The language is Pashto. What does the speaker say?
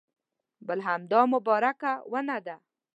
بل همدا مبارکه ونه ده.